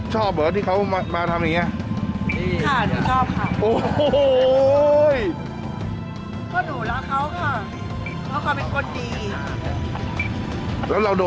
หนูรักเขาค่ะหนูพูดได้คำเดียวว่าหนูรักเขามาก